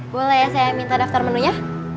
boleh ya saya minta daftar menunya